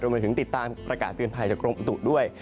โดยเหมือนถึงติดตามระกาศเตือนภายจากโรงประตูด้วย